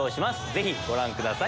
ぜひご覧ください。